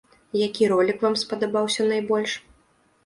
Які ролік вам спадабаўся найбольш?